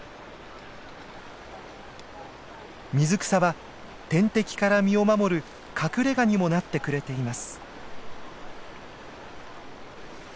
水草は天敵から身を守る隠れがにもなってくれています。